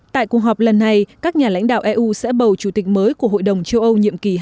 tại cuộc họp lần này các nhà lãnh đạo eu sẽ bầu chủ tịch mới của hội đồng châu âu nhiệm kỳ